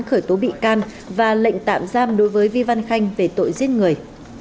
khởi tố bị can và lệnh tạm giam đối với vi văn khanh về tội giết người